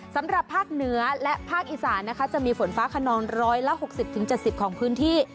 สำหรับภาคเหนือและภาคอีสานนะคะจะมีฝนฟ้าขนอง๑๖๐๗๐ของพื้นที่